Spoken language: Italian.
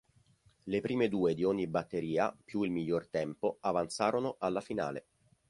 Le prime due di ogni batteria più il miglior tempo avanzarono alla finale.